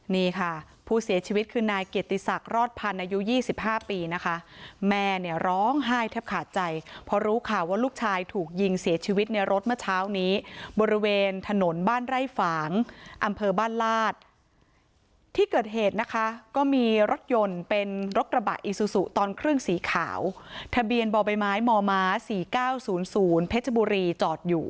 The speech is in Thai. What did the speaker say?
นี่ค่ะผู้เสียชีวิตคือนายเกียรติศักดิ์รอดพันธ์อายุ๒๕ปีนะคะแม่เนี่ยร้องไห้แทบขาดใจพอรู้ข่าวว่าลูกชายถูกยิงเสียชีวิตในรถเมื่อเช้านี้บริเวณถนนบ้านไร่ฝางอำเภอบ้านลาดที่เกิดเหตุนะคะก็มีรถยนต์เป็นรถกระบะอีซูซูตอนครึ่งสีขาวทะเบียนบ่อใบไม้มม๔๙๐๐เพชรบุรีจอดอยู่